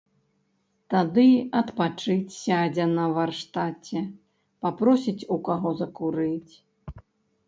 Тады адпачыць сядзе на варштаце, папросіць у каго закурыць.